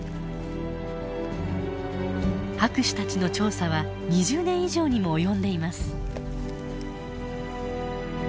博士たちの調査は２０年以上にも及んでいます。